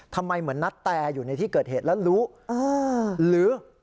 ทำไมเหมือนนัดแตอยู่ในที่เกิดเหตุแล้วรู้หรือ